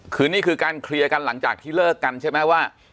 คือนี่คือการเคลียร์กันหลังจากที่เลิกกันใช่ไหมว่า